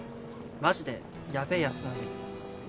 マジでヤベえやつなんです。